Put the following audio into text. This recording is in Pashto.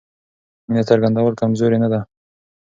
مینه څرګندول کمزوري نه ده.